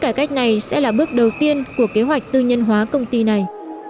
cải cách này sẽ là bước đầu tiên của kế hoạch tư nhân hóa công ty này